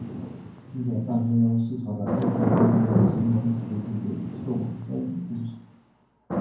正在半山腰视察的日军军官急忙指挥部队撤往山顶固守。